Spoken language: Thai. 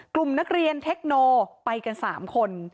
กลุ่มนักเรียนเทคโนไปกัน๓คน